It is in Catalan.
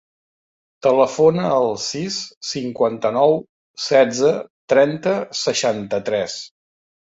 Telefona al sis, cinquanta-nou, setze, trenta, seixanta-tres.